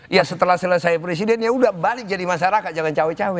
ya setelah selesai presiden ya udah balik jadi masyarakat jangan cawe cawe